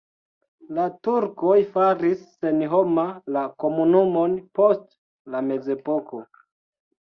La turkoj faris senhoma la komunumon post la mezepoko.